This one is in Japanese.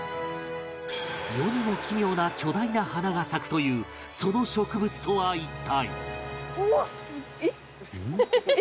世にも奇妙な巨大な花が咲くというその植物とは一体？